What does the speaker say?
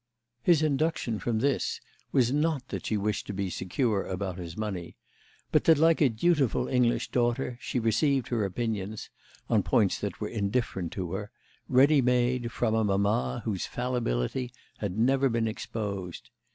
His induction from this was not that she wished to be secure about his money, but that, like a dutiful English daughter, she received her opinions—on points that were indifferent to her—ready made from a mamma whose fallibility had never been exposed.